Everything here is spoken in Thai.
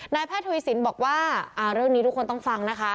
แพทย์ทวีสินบอกว่าเรื่องนี้ทุกคนต้องฟังนะคะ